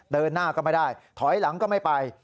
เดินหน้าก็ไม่ได้ถอยหลังก็ไม่ไป